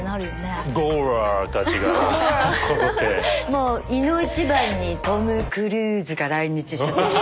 もういの一番にトム・クルーズが来日したとき。